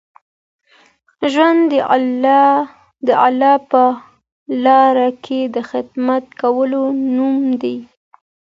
ژوند د الله په لاره کي د خدمت کولو نوم دی.